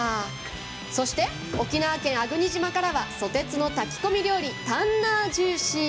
そして、沖縄県粟国島からはソテツの炊き込み料理タンナージューシー。